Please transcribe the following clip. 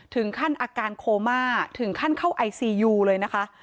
ถึงขั้นอาการโคม่าถึงขั้นเข้าไอซียูเลยนะคะ